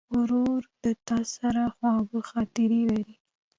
ورور له تا سره خواږه خاطرې لري.